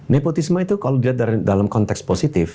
nepotisme itu kalau dilihat dalam konteks positif